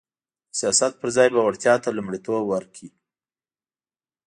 د سیاست پر ځای به وړتیا ته لومړیتوب ورکړي